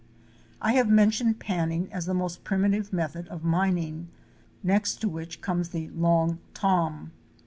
I have mentioned panning as the most primitive method of mining, next to which comes the "Long Tom."